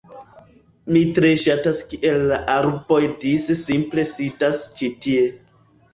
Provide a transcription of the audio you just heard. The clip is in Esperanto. Mi tre ŝatas kiel la arboj dise simple sidas ĉi tie